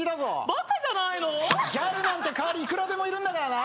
バカじゃないの⁉ギャルなんて代わりいくらでもいるんだからな！